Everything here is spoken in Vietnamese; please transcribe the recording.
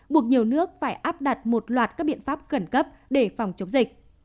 buộc nhiều nước phải áp đặt một loạt các biện pháp khẩn cấp để phòng chống dịch